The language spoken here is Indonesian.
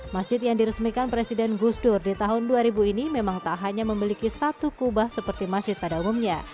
masjid yang diresmikan presiden gus dur di tahun dua ribu ini memang tak hanya memiliki satu kubah seperti masjid pada umumnya